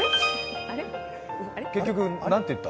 結局、何て言った？